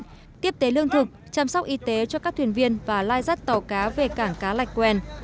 tàu bị nạn tiếp tế lương thực chăm sóc y tế cho các thuyền viên và lai rắt tàu cá về cảng cá lạch quen